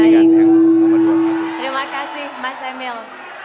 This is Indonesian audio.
terima kasih mas emil